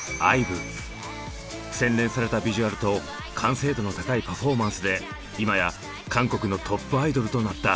洗練されたビジュアルと完成度の高いパフォーマンスで今や韓国のトップアイドルとなった。